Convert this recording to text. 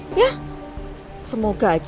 udah udah kamu tenang aja